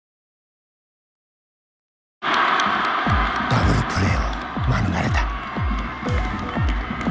ダブルプレーは免れた。